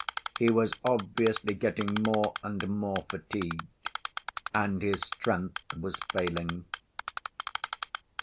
He was obviously getting more and more fatigued, and his strength was failing.